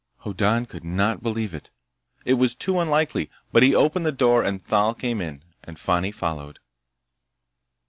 Hoddan could not believe it. It was too unlikely. But he opened the door and Thal came in, and Fani followed.